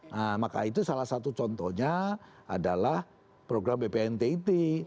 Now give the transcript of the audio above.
nah maka itu salah satu contohnya adalah program bpntit